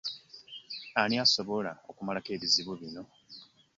Ani asobola okumalako ebizibu bino?